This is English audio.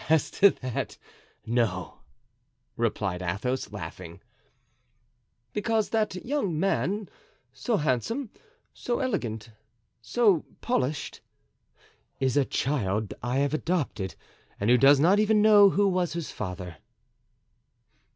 "Ah! as to that, no," replied Athos, laughing. "Because that young man, so handsome, so elegant, so polished——" "Is a child I have adopted and who does not even know who was his father."